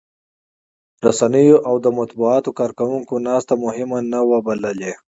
رسنيو او د مطبوعاتو کارکوونکو ناسته مهمه نه وه بللې.